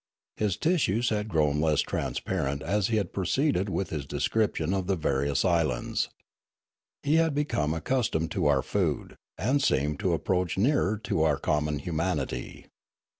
His tissues had grown less transparent as he had proceeded with his description of the various islands. He had become accustomed to our food, and seemed to approach nearer to our 420 Riallaro common humanity.